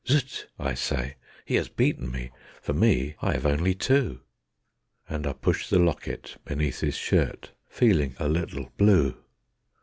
"Zut!" I say. "He has beaten me; for me, I have only two," And I push the locket beneath his shirt, feeling a little blue.